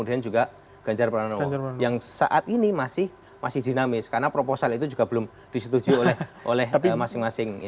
dan juga ganjar pranowo yang saat ini masih dinamis karena proposal itu juga belum disetujui oleh masing masing